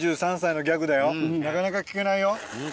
なかなか聞けないよ。